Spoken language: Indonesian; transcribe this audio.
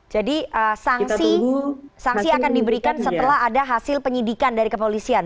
jadi sanksi akan diberikan setelah ada hasil penyidikan dari kepolisian